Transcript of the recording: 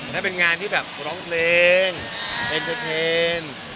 และเป็นงานที่แบบร้องเพลงเอ็นเตอร์เทน